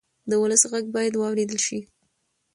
د ولس غږ باید واورېدل شي